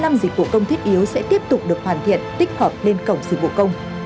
năm dịch vụ công thiết yếu sẽ tiếp tục được hoàn thiện tích hợp lên cổng dịch vụ công